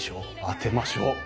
当てましょう。